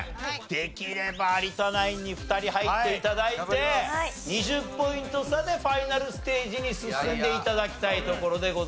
できれば有田ナインに２人入って頂いて２０ポイント差でファイナルステージに進んで頂きたいところでございます。